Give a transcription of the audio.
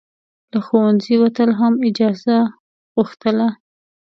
له ښوونځي وتل هم اجازه غوښتله.